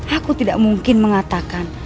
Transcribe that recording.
aku tidak mungkin mengatakan